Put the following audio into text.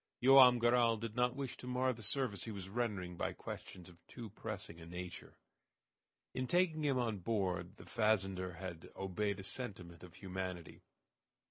Joam Garral did not wish to mar the service he was rendering by questions of too pressing a nature. In taking him on board the fazender had obeyed a sentiment of humanity.